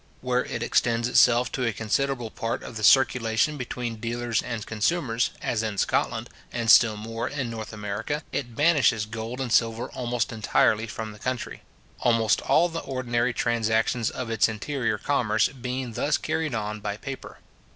Where it extends itself to a considerable part of the circulation between dealers and consumers, as in Scotland, and still more in North America, it banishes gold and silver almost entirely from the country; almost all the ordinary transactions of its interior commerce being thus carried on by paper.